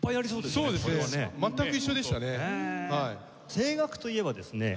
声楽といえばですね